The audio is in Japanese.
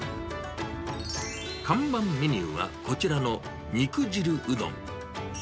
看板メニューはこちらの肉汁うどん。